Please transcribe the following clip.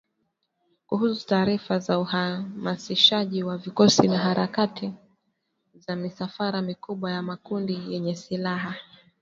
kuhusu taarifa ya uhamasishaji wa vikosi na harakati za misafara mikubwa ya makundi yenye silaha